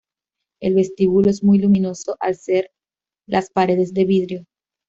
El vestíbulo es muy luminoso al ser las paredes de vidrio.